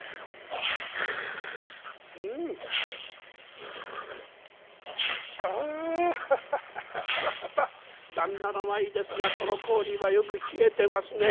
「うん。あハハハハこれまた旦那の前ですがこの氷はよく冷えてますね」。